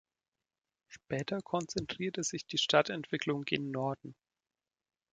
Später konzentrierte sich die Stadtentwicklung gen Norden.